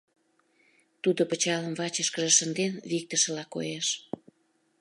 — Тудо пычалым вачышкыже шынден виктышыла коеш.